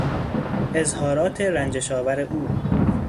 اظهارات رنجش آور او